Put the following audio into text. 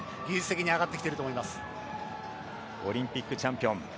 技術的にオリンピックチャンピオン。